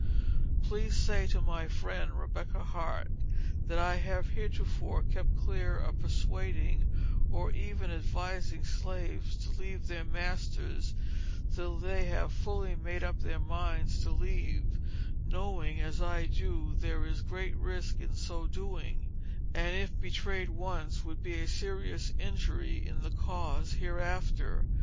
Please say to my friend, Rebecca Hart, that I have heretofore kept clear of persuading, or even advising slaves to leave their masters till they had fully made up their minds to leave, knowing as I do there is great risk in so doing, and if betrayed once would be a serious injury to the cause hereafter.